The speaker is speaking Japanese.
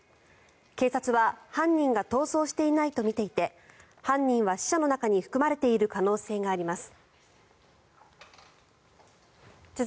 警察は犯人が逃走していないとみていて犯人は死者の中に含まれている可能性があります。